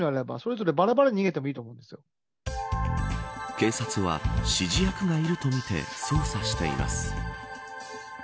警察は指示役がいるとみて捜査しています。